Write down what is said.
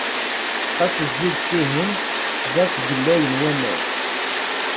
Ɣas zzi-d sihin! Da ttgellayen waman.